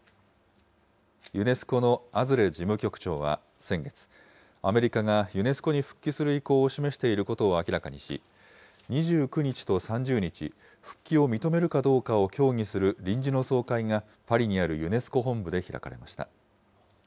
ユネスコのアズレ事務局長は先月、アメリカがユネスコに復帰する意向を示していることを明らかにし、２９日と３０日、復帰を認めるかどうかを協議する臨時の総会が、パリにあるユネスコ本部で開かれました。